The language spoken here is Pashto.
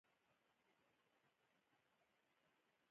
ازادي راډیو د اطلاعاتی تکنالوژي په اړه نړیوالې اړیکې تشریح کړي.